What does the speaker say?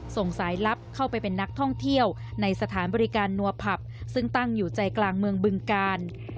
ส่งสายลับเข้าไปเป็นนักท่องเที่ยวในสถานบริการนัวผับซึ่งตั้งอยู่ใจกลางเมืองบึงกาล